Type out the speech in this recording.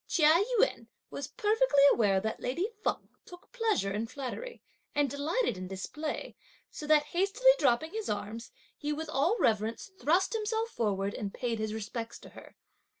Chia Yün was perfectly aware that lady Feng took pleasure in flattery, and delighted in display, so that hastily dropping his arms, he with all reverence, thrust himself forward and paid his respects to her.